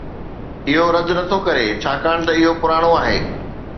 اهو رد نٿو ڪري ڇاڪاڻ ته اهو پراڻو آهي